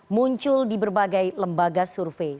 muncul di berbagai lembaga survei